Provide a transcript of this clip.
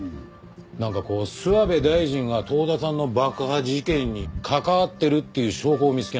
なんかこう諏訪部大臣が遠田さんの爆破事件に関わってるっていう証拠を見つけないと。